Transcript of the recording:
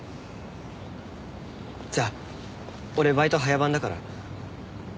じゃあ俺バイト早番だから。